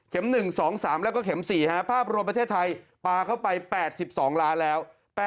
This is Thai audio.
๑๒๓แล้วก็เข็ม๔ภาพรวมประเทศไทยปลาเข้าไป๘๒ล้านแล้ว